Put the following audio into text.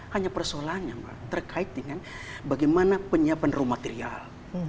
hanya persoalannya terkait dengan bagaimana penyiapan raw material